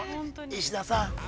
石田さん。